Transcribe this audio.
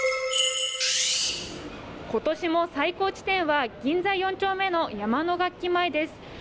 今年も最高地点は銀座４丁目の山野楽器前です。